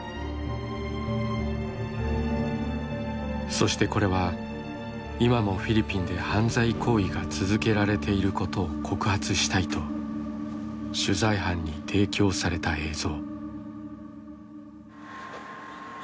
そしてこれは今もフィリピンで犯罪行為が続けられていることを告発したいと取材班に提供された映像。